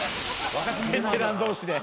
ベテラン同士で。